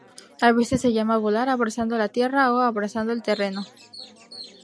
A veces se llama volar "abrazando la tierra" o "abrazando el terreno".